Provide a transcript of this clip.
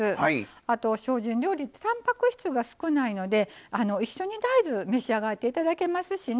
あと精進料理ってたんぱく質が少ないので一緒に大豆召し上がっていただけますしね